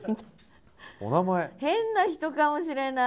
変な人かもしれない。